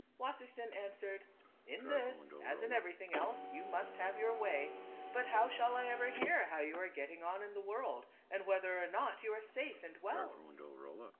Wassersein an swered, " In this, as in everything else, you must have your way ; but how shall I ever hear how you are getting on in the world, and whether or not you are safe and well